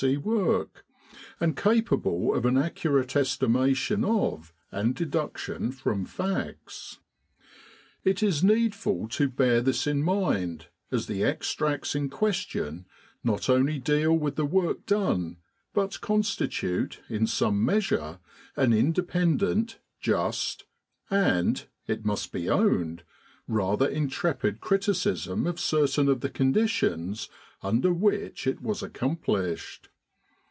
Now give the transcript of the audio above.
C. work, and capable of an accurate estimation of and deduction from facts. It is needful to bear this in mind, as the extracts in question not only deal with the work done, but constitute in some measure an independent, just, and it must be owned rather intrepid criti cism of certain of the conditions under which it was accomplished.